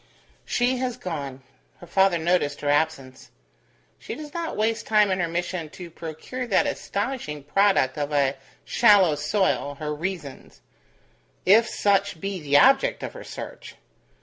"She has gone." Her father noticed her absence. "She does not waste time in her mission to procure that astonishing product of a shallow soil, her reasons; if such be the object of her search.